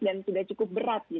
dan sudah cukup berat gitu ya